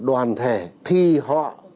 đoàn thể thì họ